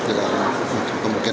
tidak kemungkinan yang pertama